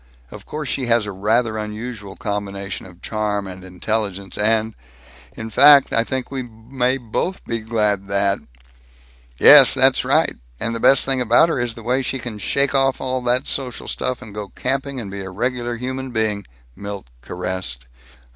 Of course she has a rather unusual combination of charm and intelligence and In fact I think we may both be glad that " "Yes. That's right. And the best thing about her is the way she can shake off all the social stuff and go camping and be a regular human being," Milt caressed.